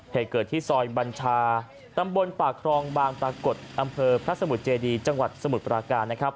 เหตุเกิดที่ซอยบัญชาตำบลปากครองบางปรากฏอำเภอพระสมุทรเจดีจังหวัดสมุทรปราการนะครับ